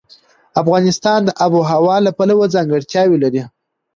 افغانستان د آب وهوا له پلوه ځانګړتیاوې لري.